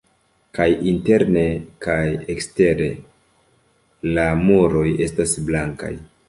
Kaj interne kaj ekstere la muroj estas blankaj.